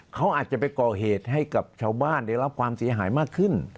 เขาอาจจะไปก่อเหตุให้กับชาวบ้านได้รับความเสียหายมากขึ้น